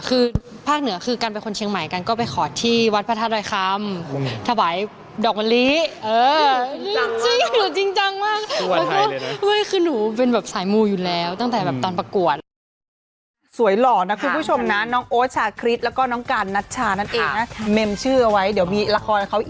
คือภาคนเหนือคือกรรมกรรมของขนเชียงใหม่